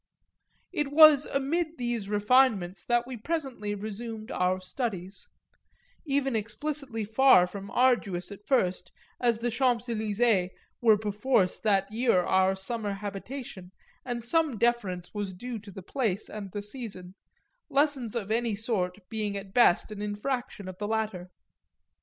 It was amid these refinements that we presently resumed our studies even explicitly far from arduous at first, as the Champs Elysées were perforce that year our summer habitation and some deference was due to the place and the season, lessons of any sort being at best an infraction of the latter.